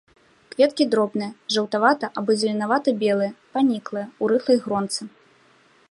Кветкі дробныя, жаўтавата- або зеленавата-белыя, паніклыя, у рыхлай гронцы.